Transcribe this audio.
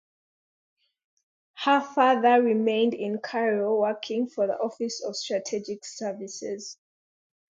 Her father remained in Cairo working for the Office of Strategic Services.